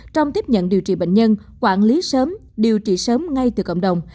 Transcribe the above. trong tiếp nhận điều trị bệnh nhân quản lý sớm điều trị sớm ngay từ cộng đồng